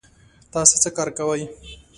تاسې څه کار کوی؟